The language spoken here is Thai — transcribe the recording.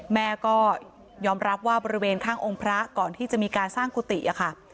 แม่ก็ยอมรับว่าบริเวณข้างองค์พระก่อนที่จะมีการสร้างกุฏิค่ะ